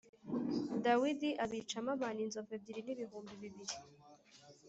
Dawidi abicamo abantu inzovu ebyiri n’ibihumbi bibiri.